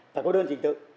phải có đơn trình tự